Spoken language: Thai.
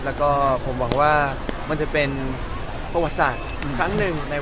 แต่ว่าปีหน้าครับผมรับรองได้อย่างหนึ่งคือ